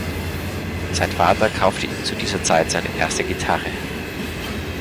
Sein Vater kaufte ihm zu dieser Zeit seine erste Gitarre.